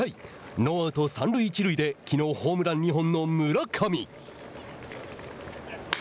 ノーアウト、三塁一塁できのうホームラン２本の村上。